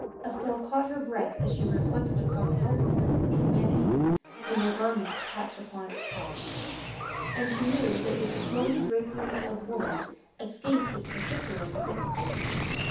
Estelle caught her breath as she reflected upon the helplessness of humanity when their garments catch upon its cogs, and she knew that with the flowing draperies of woman escape is particu larly difficult.